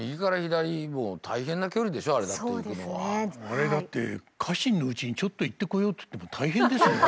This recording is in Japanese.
あれだって「家臣のうちにちょっと行ってこよう」っつっても大変ですよね。